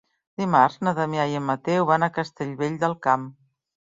Dimarts na Damià i en Mateu van a Castellvell del Camp.